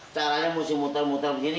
caranya mesti muter muter begini